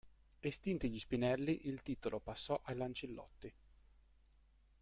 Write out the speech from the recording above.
Estinti gli Spinelli il titolo passò ai Lancellotti.